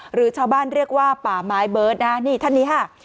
หรือชาวบ้านเรียกว่าป่าไม้เบิร์ตนะฮะนี่ท่านนี้ค่ะ